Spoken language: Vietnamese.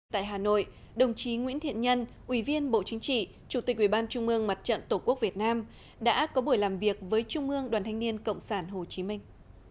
tại hà nội đồng chí nguyễn thiện nhân ủy viên bộ chính trị chủ tịch ubnd mặt trận tổ quốc việt nam đã có buổi làm việc với trung ương đoàn thanh niên cộng sản hồ chí minh